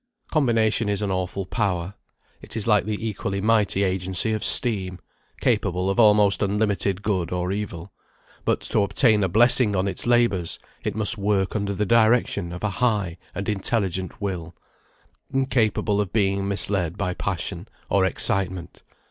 Combination is an awful power. It is like the equally mighty agency of steam; capable of almost unlimited good or evil. But to obtain a blessing on its labours, it must work under the direction of a high and intelligent will; incapable of being misled by passion, or excitement.